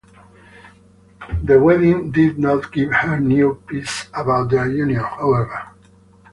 The wedding did not give her new peace about their union, however.